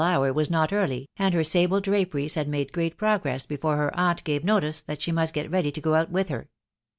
iSl hour was not early, and her sable draperies had made great progress before her aunt gave notice that she must get ready to go out with her.